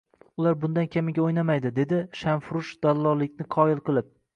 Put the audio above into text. Ular bundan kamiga o`ynamaydi, dedi shamfurush dallollikni qoyil qilib